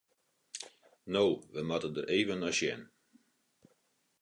No, we moatte der even nei sjen.